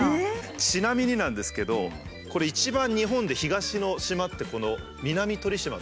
ちなみになんですけどこれ一番日本で東の島ってこの南鳥島。